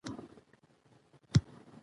چي پر ځان یې د مرګي د ښکاري وار سو